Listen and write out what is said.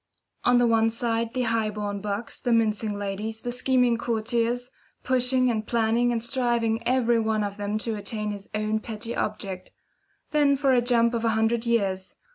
On the one side, the high born bucks, the mincing ladies, the scheming courtiers, pushing and planning, and striving every one of them to attain his own petty object. Then for a jump of a hundred years.